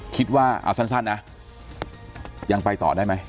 คิดว่าเอาสั้นนะยังไปต่อได้ไหม